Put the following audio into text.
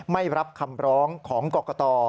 ไม่รับคำร้องของกรกต